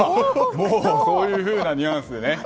そういうふうなニュアンスでね